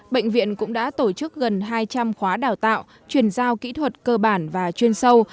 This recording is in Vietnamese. bệnh viện cũng đã tổ chức gần hai trăm linh khóa đào tạo chuyển giao kỹ thuật cơ bản và chuyên sâu